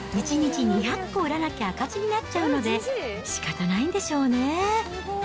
１日２００個売らなきゃ赤字になっちゃうので、しかたないんでしょうね。